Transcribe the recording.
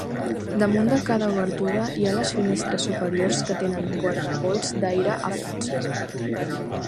Damunt de cada obertura hi ha les finestres superiors que tenen guardapols d'aire afrancesat.